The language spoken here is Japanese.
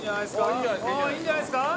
いいんじゃないですか？